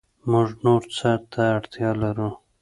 موږ نور څه ته اړتیا لرو